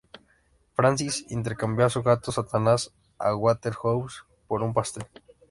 Francis intercambió a su gato Satanás a Waterhouse por un pastel.